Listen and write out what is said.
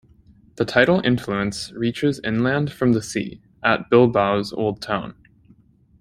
The tidal influence reaches inland from the sea, at Bilbao's old town.